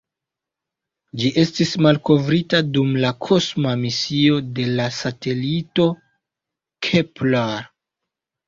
Ĝi estis malkovrita dum la kosma misio de la satelito Kepler.